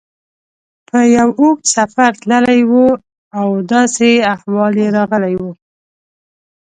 په یو اوږد سفر تللی و او داسې احوال یې راغلی و.